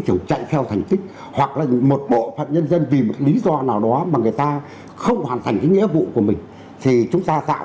chủ trì khẩn trương hoàn chỉnh phương án tổ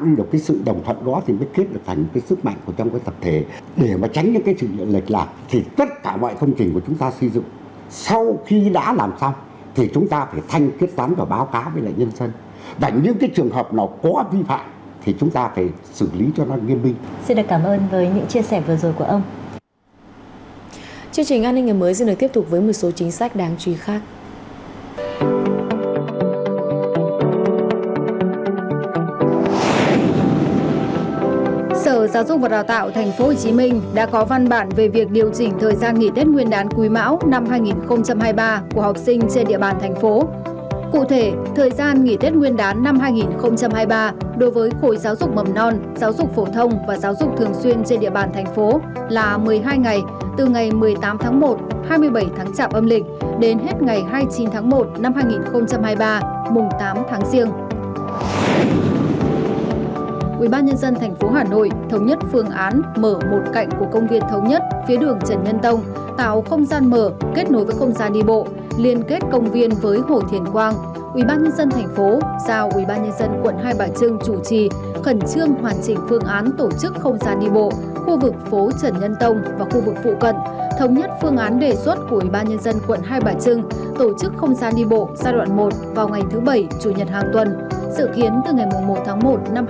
chức không gian đi bộ khu vực phố trần nhân tông và khu vực phụ cận thống nhất phương án đề xuất của quỹ ban nhân dân quận hai bạch trưng tổ chức không gian đi bộ giai đoạn một vào ngày thứ bảy chủ nhật hàng tuần dự kiến từ ngày một tháng một năm hai nghìn hai mươi ba